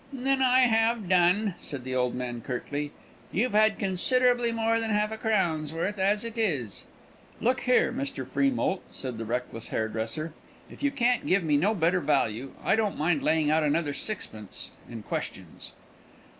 "Then I have done," said the old man, curtly. "You've had considerably more than half a crown's worth, as it is." "Look here, Mr. Freemoult," said the reckless hairdresser, "if you can't give me no better value, I don't mind laying out another sixpence in questions."